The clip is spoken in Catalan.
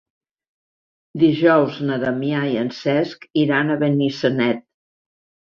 Dijous na Damià i en Cesc iran a Benissanet.